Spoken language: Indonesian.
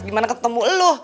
gimana ketemu lu